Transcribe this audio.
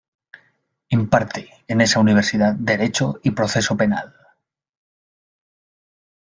Imparte, en esa universidad, Derecho y Proceso Penal.